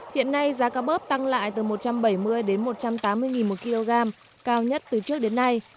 hiện nay giá cá bớp tăng lại từ một trăm bảy mươi đến một trăm tám mươi đồng một kg cao nhất từ trước đến nay